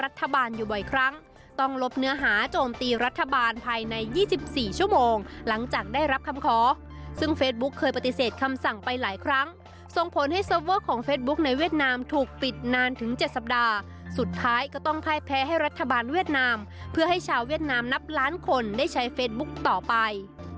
เซิร์ฟเวิร์กของเฟซบุ๊กในเวียดนามถูกปิดนานถึง๗สัปดาห์สุดท้ายก็ต้องไพร้แพ้ให้รัฐบาลเวียดนามเพื่อให้ชาวเวียดนามนับล้านคนได้ใช้เฟซบุ๊กต่อไป